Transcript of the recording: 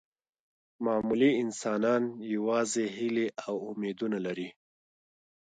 معمولي انسانان یوازې هیلې او امیدونه لري.